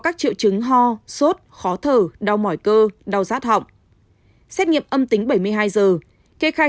các triệu chứng ho sốt khó thở đau mỏi cơ đau rát họng xét nghiệm âm tính bảy mươi hai giờ kê khai